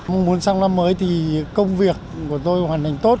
mong muốn sang năm mới thì công việc của tôi hoàn thành tốt